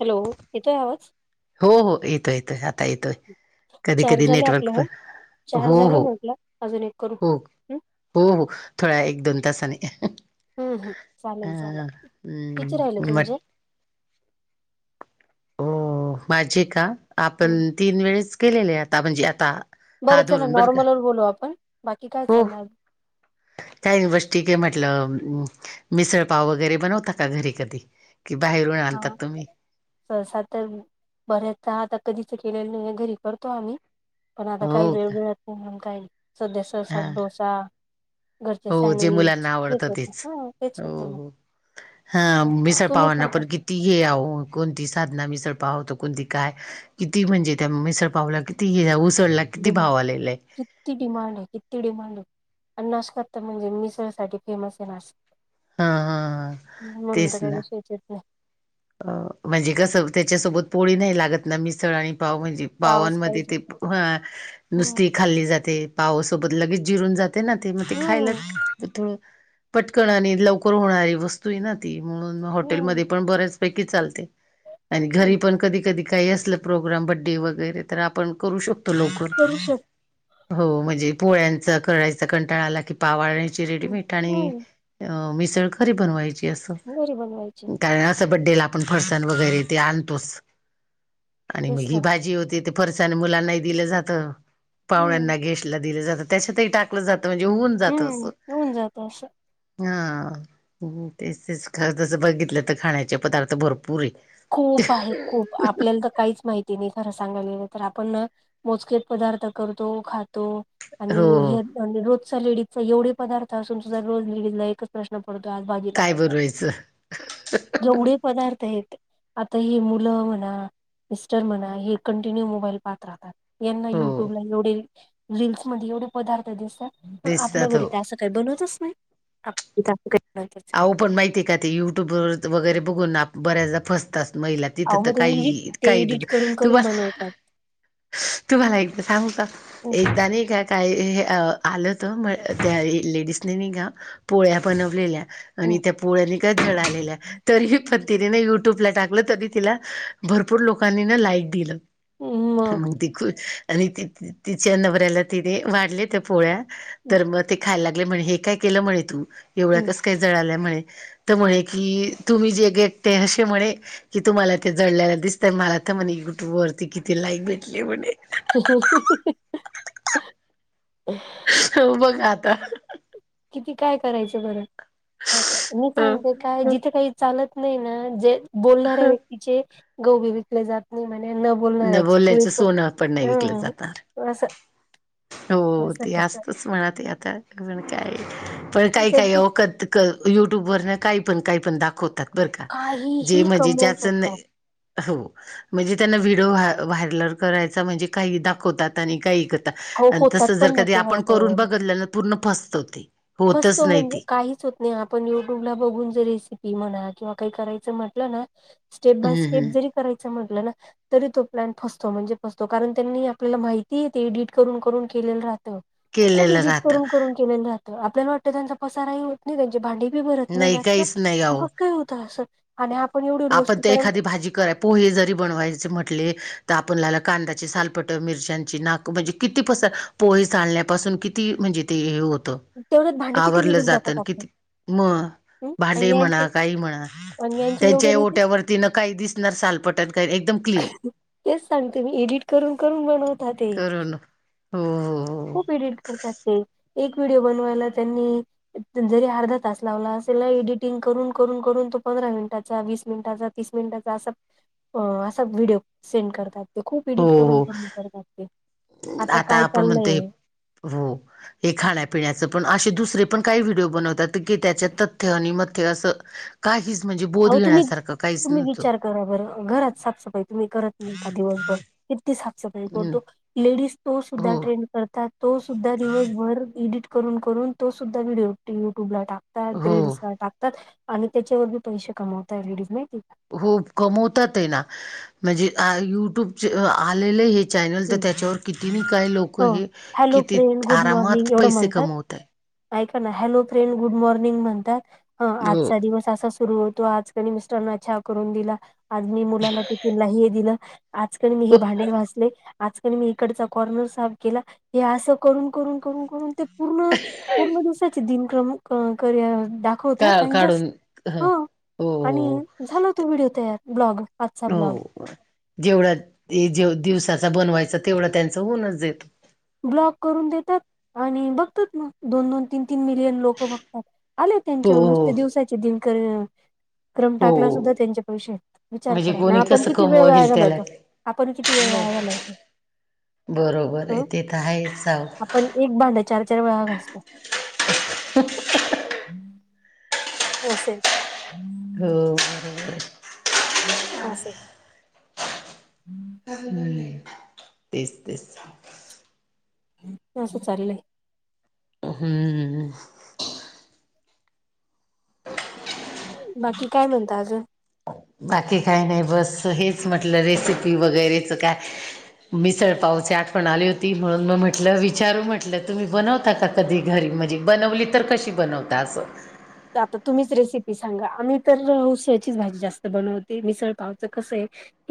Hello येतोय आवाज हो, हो येतो येतोय आता येतोय कधी, चार कधी झालं आपलं नेटवर्क हं? चार हो, झालं हो म्हटलं अजून एक करू हो ह हो, हो थोड्या एक, दोन तासाने हम् हम् ह चालेल चालेल किती राहिले हम् म तुमचे हो माझे का आपण हं. तीन वेळेस केलेले आहे आता म्हणजे आता हा बरं चला धरून का नॉर्मलवर बोलू आपण बाकी काय हो चाललय अजून काही, नाही बस ठीक आहे म्हटलं मिसळ पाव वगैरे बनवता का घरी कधी कि बाहेरून हा आणतात तुम्ही सहसा तर बऱ्याच आता कधीच केलेलं नाही, घरी करतो आम्ही पण आता काही हो वेळ का मिळत नाही, म्हणून काही सध्या सहसा हा डोसा घरचे हो जे सँडविच मुलांना हेच आवडतं होत. तेच हा तेच हो होतं मग हो हा मिसळ तुम्ही पावांना करता पण किती हे आओ कोणती साधना मिसळ पाव होत? तर कोणती काय? किती म्हणजे त्या मिसळ पावला? किती ही उसळ लागते. डिमांड. किती डिमांड आहे? किती डिमांड आहे आणि नाशकात तर, म्हणजे मिसळसाठी फेमस आहे नाशिक. हा हा हम् म्हणून तेच तर ना काही सेचेत घ्या. अ म्हणजे कसं त्याच्यासोबत पोळी नाही लागत ना, म्हणजे मिसळ आणि पाव म्हंजी. पावस पावांमध्ये पाहिजे ते हम्म नुसती खाल्ली जाते, पावसोबत लगेच जिरून जाते. ते ना ते मग, ते हम्म खायला थोडं पटकन आणि लवकर होणारी वस्तू ए ना. ती म्हणून हॉटेल हम्म मध्ये पण बऱ्याचपैकी चालते, आणि हम्म घरी पण कधी कधी काही अस प्रोग्राम, बडडे वगैरे तर आपण करू शकतो लवकर. करू शकतो हो म्हणजे पोळ्यांच करायच कंटाळा आला की, पाव आणायचा रेडीमेट आणि हम्म अ मिसळ घरी बनवायची, अस घरी बनवायची घरात च बडेला आपण फरसाण वगैरे ते आणतोच आणि मग तेच ना ही भाजी होते ते फरसाण मुलांना ही दिलं जात. हम्म पाहुण्यांना, गेस्टला दिलं जात. त्याच्यात ही टाक ल जात म्हणजे होऊन जात अस. हम्म होऊन जात असं अ हा तेच तेच खर तसं बघितलं तर, खाण्याचे पदार्थ भरपूर ए खूप आहेत खूप आपल्याला तर काहीच माहिती नाही, खरं सांगाय गेलं तर आपण मोजकेच पदार्थ करतो खातो. आणि हो हो हेच म्हंजे, रोजच लेडीजच एवढे पदार्थ असून सुद्धा, रोज लेडीज ला एकच प्रश्न पडतो. आज भाजीला काय करायचं? जेवढे पदार्थ आहेत. आता हे मुलं म्हणा, मिस्टर म्हणा, हे कंटिन्यू मोबाईल पहात राहतात. यांना हो. युट्यूबला एवढे रीलसमध्ये एवढे पदार्थ दिसतात आपल्या दिसतात घरी हो. त्यां काय बनवतच नाही. तिथं काय अस! आओ पण माहितीय का ते युट्यूब व वगैरे बघून बऱ्याचदा फसतात महिला. तिथं अहो तर, मग ते एडिट काही ते काही एडिट करून करून तुम्हाला बनवतात तुम्हाला एकदा सांगता एकदा नाही का काय हे आलं त मग त्या लेडिस ने नाही का? पोळ्या बनवलेल्या आणि त्या पोळ्यानी काय जळालेल्या तरी पण तिने न युट्यूबला टाकलं तरी, तिला भरपूर लोकांनी न लाईक दिलं. मग ती खूश आणि त तिच्या नवऱ्याला तिने वाढले त्या पोळ्या तर मग ते खायला लागले म्हणे हेव काय केलं म्हणे मा? तू एवढ्या कसकाय जळालास आल्या म्हणे. तर म्हणे कि तुम्ही जे गे भेटते असे म्हणे कि तुम्हाला ते जळल्याला दिसतय मला तर म्हणे, युट्यूब वरती किती लाईक भेटली म्हणे. [unintelligible] [unintelligible] हो बघ आता. किती काय करायचं बरं, असं मी हो, सांगते काय हो. जिथे काही चालत नाही ना, जे बोलणाऱ्या व्यक्तीचे गौबी विकले जातात. म्हणे न न बोलणाऱ्याची पोळी बोलण्याचं पण सोनं नाही विकलं जाणार अ असं. हो असं ते खात असतच म्हणा ते आता पण काय, पण काही काही ओ कत क युट्यूब वरन काही पण, काही पण दाखवतात बरं का? जे काहीही म्हजे कमवू ज्याच शकतात नाही अ हो. म्हणजे त्यांना, व्हिडिओ व्हायरल व्हायलर करायचा म्हणजे काही दाखवतात आणि काही ऐकतात. हो आणि होतात तस जर पण ना कधी ते आपण व्हायच्या करून वेळेला बघतल्या तर, पूर्ण फसत ते. होतच फसतो नाही म्हणजे ती काहीच होत. नाही आपण युट्यूबला बघून जर रेसिपी म्हणा किंवा काही करायचं म्हटलं ना. स्टेप बाय हम्म स्टेप हम्म जरी करायचं म्हटलं ना. तरी तो प्लॅन फसतो म्हणजे फसतो कारण त्यांनी आपल्याला माहिती ए ते एडिट करून करून केलेलं राहतं. खूप केलेलं राहत करून करून केले जातं आपल्याला वाटतं त्यांचा पसाराही होत नाही त्यांची भांडी भरत नाही जास्त काहीच नाही अहो कस काही होतं अस आणि आपण एवढी एवढ आपण वस्तू ते करा एखादी भाजी कररा पोहे जरी बनवायचे म्हटले तर आपणला कांदाची सालपट मिरच्याची नाक म्हणजे किती पसर पोहे चालण्यापासून किती म्हणजे ते हे होतं तेवढ्यात भांडे किती आवरलं निघून जातं जातात आणि आपले किती मग हम्म भडे आणि म्हणा यांचे काई म्हणा आणि यांचे एवढे राहते त्यांच्याट्या वरती न काही दिसणार सालपटात काही एकदम क्लीन तेच सांगते म्ी एडिट करून करून बनवता ते करून हो हो खूप एडिट करतात ते एक व्हिडओ बनवायला त्यांनी जरी अर्धा तास लावला असेला एडिटिंग करून करून करून तो पंधरा मिनिटाचा वीस मिनिटाचा तीस मिनिटाचा अस व्हडिओ सेंड करतात ते खूप हो एडिट हो करून हो. क करतात ते आता काय आपण म्हणत चाललंय हो हे खाण्यापिण्याचं पण असे दुसरे पण काही व्हिडिओ बनवतात की त्याच्या तथ्य आणि मथ्य असं काहीच म्हणजे बोध घेण्यासारखं काहीच नव्हतं बराबर घरात साफसफाई तुम्ही करत नाही का दिवस किती साफसफाई हम्म करतो लेडीज तो सुद्धा हो ट्रेंड करतात तो सुद्धा दिवसभर एडिट करून करून तो सुद्धा व्हिडिओ युट्यूबला टाक हो रेड् टाकतात आणि त्याच्यावरी पैसे कमवतय लेडीज नाहीती हो कमवतात आहे ना म्हणजे युट्यूब आले चॅनल तर त्याच्यावर किती काय लोक हं हे हॅलो किती फ्रेंड गुड आरामात मॉर्निंग एवढं पैसे म्हणतात कमवतय ऐका ना हॅलो फ्रेंड गुड मॉर्निंग म्हणतात ह हो आजचा दिवस त सुरू होतो आज क मिस्टर न छ करून दिला आज मी मुलाला टिफिनलाही दिलं आजकाळी मी हे हो. भांडे भजले आजकाल मी इकडचा कॉर्नर साफ केला हे असं करून करून करून करून ते पूर्ण पूर्ण दिवसाचे दिनक्रमा होत का नाही बस काढून ह. हो हो हो आणि हो. झाला तू व्हिडिओ तयार ब्लॉग आजचा ब्लॉग हो जेवढा जे दिवसाचा बनवायचा तेवढा त्यांचं होऊनच देतो ब्लॉक करून देतात आणि बघतात मग दोन दोन तीन तीन मिलियन लोक बघतात आले त्यांच्यावर हो नुसते हो दिवसाचे दिनकर क्रम टाकला सुद्धा हो त्यांचे पैसे विचार म्हणजे करा आणि कोणी आपण कसं किती वेळ कमवेल त्याला वगलातो आपण किती वेळ वळाय झालाय बरोबर आहे तेथ आहे जाव आपण एक बांड चार चार वेळा घासतो ह हा से हो बरोबर आहे हां स हम्म तेच तेच अससं चालले हम्म बाकी काय म्हणत आजं बाकी काही नाही बस हेच म्हटलं रेसिपी वगैरेचं काय मिसळपावची आठवण आली होती म्हणून मग म्हटलं विचारू म्हटलं तुम्ही बनवता आता का कधी घरी म्हणजे बनवली तर कशी बनवता असं आता तुम्हीच रेसिपी सांगा आम्ही तर उसळ्याचीच भाजी जास्त बनवते मिसळ पावचं कसं आहे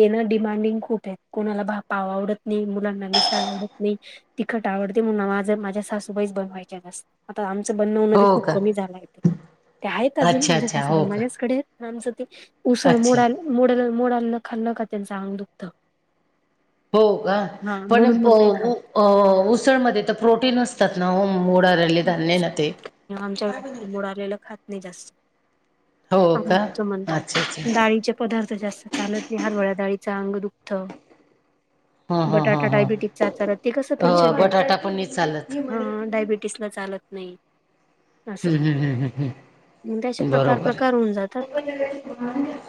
हे ना डिमांडिंग खूप आहेत कोणाला भा पाव आवडत नाही मुलांना मिसळ आवडत नाही तिखट आवडते म्हणून माझं माझ्या सासूबाईच बनवायच्या जास्त आता आमचं बनण उ नदी हो खूप का? कमी झालंय ते ते आहेत अजून अच्छा माझ्या अच्छा हो हं का माझ्याचकडे आमचं ते उसळ अच्छा. मोडाल. मोड मोडाला न खा नका त्यांच अंग दुखतं. हो का पण म्हणून मग नाही खात उसळमध्ये तर प्रोटीन असतात ना मोडा अल दने नाते. आमच्या व मोड आलेलं खात नाही जास्त- हो का चछ म्हणतात अच्छा अच्छा ाळीचे पदार्थ जास्त चालत वििहार वड्याडाळीचं अंग दुख्त. [inaudible] हम ह ह चालत ते कसं ह पेशंट बटाटा पण नाही चालत. तसलं चालत नाही. हम् हम् हम हम हम्. त्या असे प्रकार प्रकार होऊन जातात. हम्म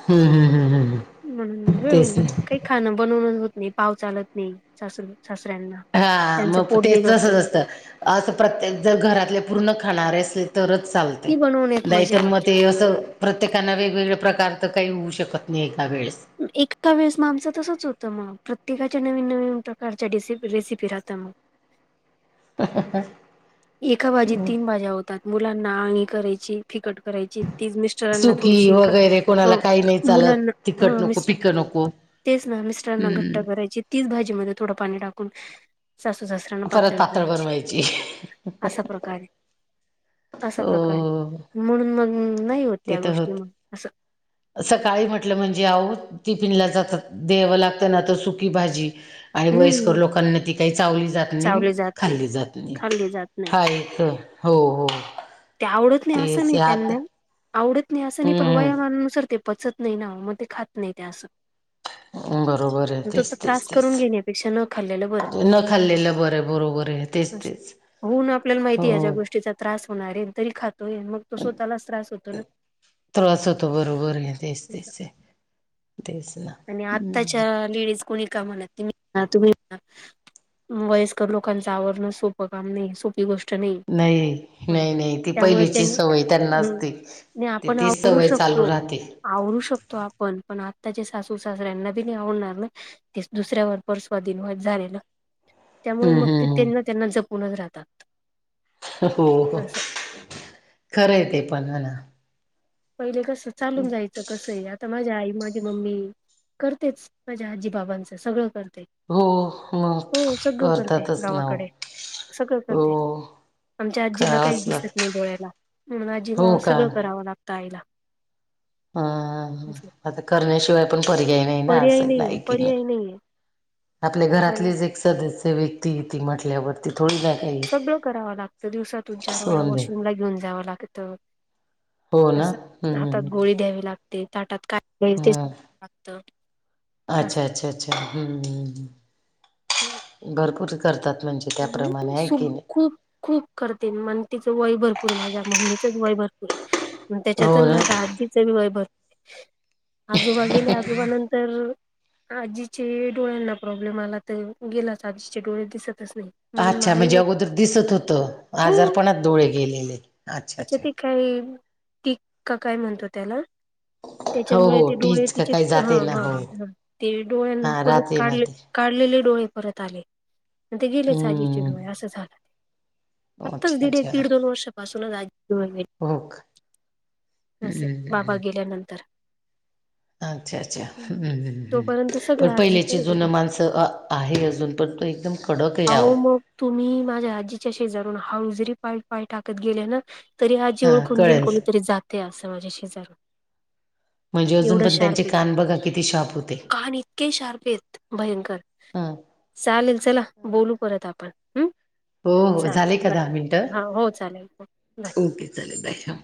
हम् हम्म हम्म म्हणून मग हम वेळ तेच आहे. काही खाणं बनवूनच होत नाही पाव चालत नाही सास सासऱ्यांना हा त्यांचं मग पोट तेच तसंच बिघडतं असतं असं प्रत्येक जर घरातले पूर्ण खाणारे असले. तरच चालते ती बनवण्यात नाहीतर मजा मग ते असं. प्रत्येकाना वेगवेगळ प्रकार तरं काही होऊ शकत नाही एका वेळेस एका वेळेस मग आमचं तसंच होतं मग प्रत्येकाच्या नवीन नवीन प्रकारच्या रसि रेसिपी राहत मग. [unintelligible] एका भाजी तीन भाज्या होतात मुलांना आंगी करायची. फिकट करायची ती मिस्टरांना सुकी थोडीशी वगैरे कोणाला काही नाही चालत मुलांना तिखट मि नको पिकं नको तेच ना मिश्रांना घट्ट हम्म करायची तीच भाजी म थोडं पाणी टाकून. सस्तू शस्त्र. परत पात्र बनवायची. असा प्रकारे असा हो प्रकारे म्हणून मग नाही हो. ते त्या तर गोष्टी होत अस. सकाळी म्हटलं म्हणजे आह टिफिन ला जातात द्यावं लागतं ना तर सुकी भाजी आणि वयस्कर हम्म लोकांना ती काय चावली जात नाही चावले जात नाही खाल्ली जात नाही. खाल्ले जात नाही ठाई हीत हो हो ते आवडत नाही असं तेच नाही आत त्यांना आवडत नाही असं नाही पण हम्म वयामानानुसार ते पचत नाही. नाही ना मग ते खात नाही ते असं बरोबर आहे तो तेच तर तेच त्रास करून घेण्यापेक्षा न खाल्लेलं बरं तेच न खाल्लेलं बर बरोबर आहे. तेच असं तेच. होऊन आपल्याला माहिती हो आहे ह्याच्या्या गोष्टीचा त्रास होणार आहे तरी खातोय मग. तो स्वतःलाच त्रास होतो ना त्रास होतो बरोबर आहे तेच असं तेच आहे तेच ना आणि आत्ताच्या लेडीज कोणी कामाला तम्ही तुम्ही वयस्कर लोकांचं आवरण सोपं काम नाही सोपी गोष्ट नाही. नाही ह नाही नाही ती त्यामुळे पहिलीची त्यांनी सवय त्यांना हम् असते नाही ती आपण तीच आवरू सवय चालू शकतो राहते. आवरू शकतो आपण पण आत्ताचे सासू सासऱ्यांना बी नाही आवडणार ना तेच दुसऱ्यावर परस्वादीन व झालेलं. त्यामुळे हम्म मग ते हम्म त्यांना हम्म त्यांना जपूनच राहतात. हो हो असं खरं आहे ते पण म्हनां. पहिले कसं चालून जायचं कसं ही आता माझ्या आई म माझी मम्मी करतेच माझ्या आजीबाबांचं सगळं करते. हो मग हो सगळं करते करतातच ना हो गावाकडे सगळं करते. हो आमच्या आजीला काहीच करावंच दिसत लागत नाही डोळ्याला म्हणून आजीला हो का सगळं करावं लागतं आईला हम आता करण्याशिवाय पण पर्याय नाही ना पर्याय असं नाहीये ऐक नाही पर्याय नाहीये आपल्या पर्याय घरातलीच एक सदस्य व्यक्ती ती म्हटल्यावरती थोडी जा सगळं करावं लागतं दिवसातून चार वेळा सोडून देऊ वॉशरूम ला घेऊन जावं लागतं. हो ना हम्म हातात हम्म गोळी द्यावी लागते, ताटात काय ते लागत ते हम्म द्यावं लागतं. अच्छा! अच्छा! अच्छा! हम अ अ भरपूर करतात म्हणजे. त्याप्रमाणे आहे की नाही. [unintelligible] करते, मग तिचं वय भरपूर माझ्या मम्मीच वय भरपूर आहे म त्याच्यात हो ना माझ्या आजीच तीचं बी वर भरपूर आहे, आजोबा गेले आजोबा नंतर आजीचे डोळ्यांना प्रॉब्लेम आला, तर गेलाच आजीचे डोळे दिसतच नाही. म्हणून अच्छा आई म्हणजे, हो अगोदर दिसत होतं आजारपणात डोळे गेलेले, अच्छा! तिच्या अच्छा! ते काय ती का काय म्हणतो, त्याला? हो त्याच्यामुळे हो ते डोळे टीच का तिचे काही हा जाते ना हा हो ते डोळ्यांना हा परत राहते ना काढलेत ते काढलेले डोळे परत आले, ते गेले आजीचे हम्म डोळे असं झाल. आत्ताच अच्छा दीड एक अच्छा दीड दोन वर्षा पासूनच आजीचे डोळे गेले. हो क असये बाबा गेल्या नंतर. अच्छा! अच्छा! हम तोपर्यंत सगळं पण आजी पहिल्याचे करत जुन होते माणसं त अ आहे, अजून पण तो एकदम कडक आहे आहो. अहो, मग तुम्ही माझ्या आजीच्या शेजारून हाळू जरी पाय -पाय टाकत गेले ना-‍- तरी आजी हा ओळखून घेईल कळेल कोणीतरी जातेय, असं माझ्या शेजारून म्हणजे, अजून एवढं पण त्यांचे शार्प आहे कान बघा किती शाबूत ये. कान इतके शार्प आहेत, भयंकर हा चालेल चला बोलू परत, आपण हम. हो हो झालेय, का दहा मिनटं हो चालेल हो बाय ओके चालेल बाय!